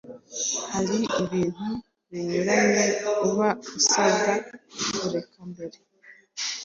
Hari ibintu binyuranye uba usabwa kureka mbere